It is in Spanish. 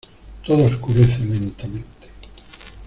todo oscurece lentamente: